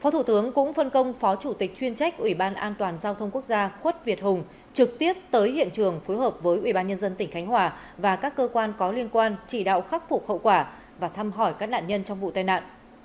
thủ tướng cũng phân công phó chủ tịch chuyên trách ủy ban an toàn giao thông quốc gia khuất việt hùng trực tiếp tới hiện trường phối hợp với ủy ban nhân dân tỉnh khánh hòa và các cơ quan có liên quan chỉ đạo khắc phục hậu quả và thăm hỏi các nạn nhân trong vụ tai nạn